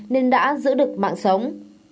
nên đã giữ được mạng sống